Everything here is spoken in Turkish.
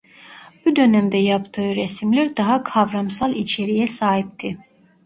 Bu dönemde yaptığı resimler daha kavramsal içeriğe sahipti.